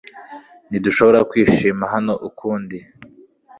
Ntidushobora kwishima hano ukundi .